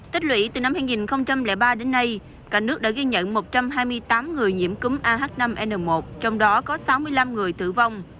tích lũy từ năm hai nghìn ba đến nay cả nước đã ghi nhận một trăm hai mươi tám người nhiễm cúm ah năm n một trong đó có sáu mươi năm người tử vong